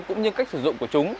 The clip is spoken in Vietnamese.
cũng như cách sử dụng của chúng